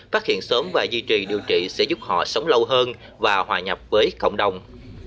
phát hiện sớm và duy trì điều trị sẽ giúp họ sống lâu hơn và hòa nhập với cộng đồng